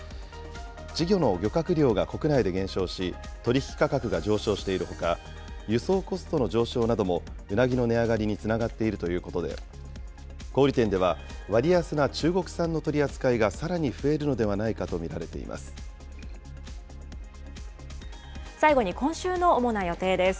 稚魚の漁獲量が国内で減少し、取り引き価格が上昇しているほか、輸送コストの上昇などもうなぎの値上がりにつながっているということで、小売り店では、割安な中国産の取り扱いがさらに増えるのではないかと見られてい最後に、今週の主な予定です。